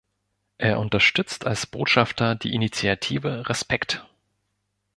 Er unterstützt als Botschafter die Initiative "Respekt!